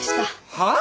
はあ！？